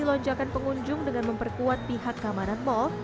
dilonjakan pengunjung dengan memperkuat pihak kamaran mall